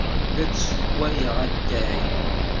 La d-ssewwayeɣ atay.